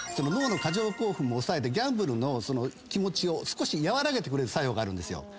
脳の過剰興奮も抑えてギャンブルの気持ちを少し和らげてくれる作用があるんです。